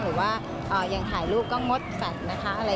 หรือว่าอย่างถ่ายรูปก็งดแฟนนะคะอะไรอย่างนี้